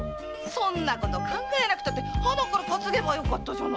そんなこと考えなくたってハナから担げばいいじゃない！